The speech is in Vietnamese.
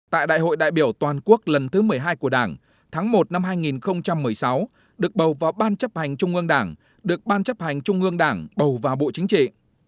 tại đại hội đại biểu toàn quốc lần thứ một mươi hai của đảng tháng một năm hai nghìn một mươi sáu được bầu vào ban chấp hành trung ương đảng được ban chấp hành trung ương đảng bầu vào bộ chính trị